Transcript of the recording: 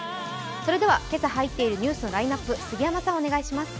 それでは、今朝入っているニュースのラインナップ、お願いします。